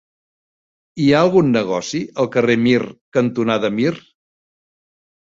Hi ha algun negoci al carrer Mir cantonada Mir?